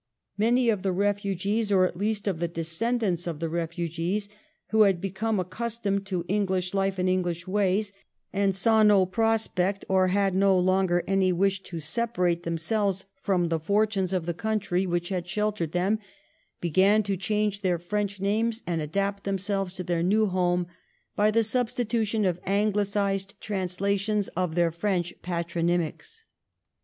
Many of the refugees, or at least of the descend ants of the refugees, who had become accustomed to English life and English ways, and saw no prospect or had no longer any wish to separate themselves 1686 1714 HUGUENOT NAMES. 163 from the fortunes of the country which had sheltered them, began to change their French names and adapt themselves to their new home by the substitution of Anglicised translations for their French patronymics.